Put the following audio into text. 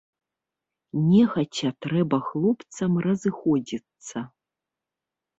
Нехаця трэба хлопцам разыходзіцца.